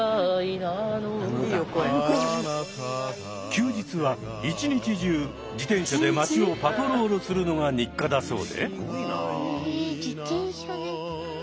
休日は一日中自転車で街をパトロールするのが日課だそうで。